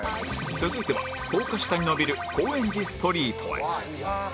続いては高架下に延びる高円寺ストリートへ